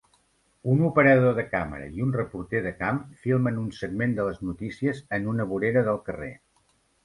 Un operador de càmera i un reporter de camp filmen un segment de les notícies en una vorera del carrer.